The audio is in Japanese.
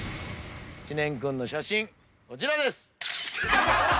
知念君の写真こちらです！